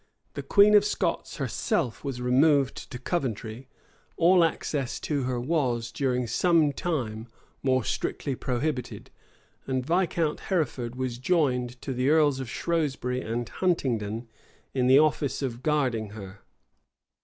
The queen of Scots herself was removed to Coventry; all access to her was, during some time, more strictly prohibited; and Viscount Hereford was joined to the earls of Shrewsbury and Huntingdon in the office of guarding her.